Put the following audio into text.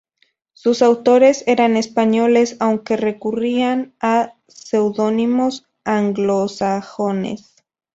Sus autores eran españoles, aunque recurrían a seudónimos anglosajones.